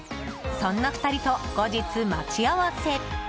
そんな２人と後日、待ち合わせ。